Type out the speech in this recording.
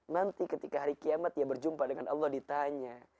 nanti ketika hari kiamat dia berjumpa dengan allah ditanya